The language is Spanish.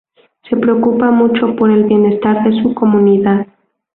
Se preocupa mucho por el bienestar de su comunidad.